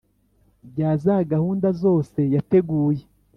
rya za gahunda zose yateguye